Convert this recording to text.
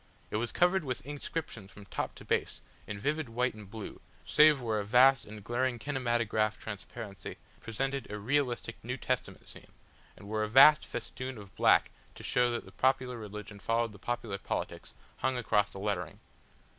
It was covered with inscriptions from top to base, in vivid white and blue, save where a vast and glaring kinematograph transparency presented a realistic New Testament scene, and where a vast festoon of black to show that the popular religion followed the popular politics, hung across the lettering.